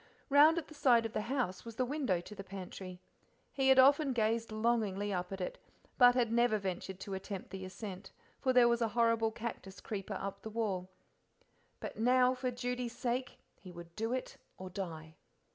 Round at the side of the house was the window to the pantry; he had often gazed longingly up at it, but had never ventured to attempt the ascent, for there was a horrible cactus creeper up the wall. But now for Judy's sake he would do it or die.